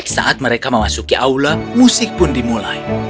saat mereka memasuki aula musik pun dimulai